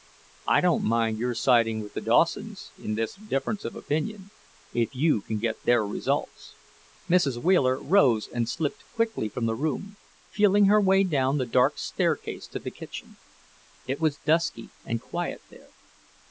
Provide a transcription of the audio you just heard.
I don't mind your siding with the Dawsons in this difference of opinion, if you can get their results." Mrs. Wheeler rose and slipped quickly from the room, feeling her way down the dark staircase to the kitchen. It was dusky and quiet there.